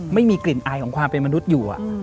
ไม่มีกลิ่นอายของความเป็นมนุษย์อยู่